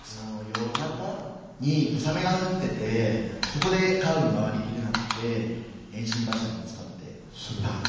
夜中に小雨が降っててそこでカーブ曲がりきれなくて電信柱にぶつかって。